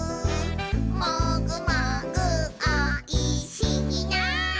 「もぐもぐおいしいな」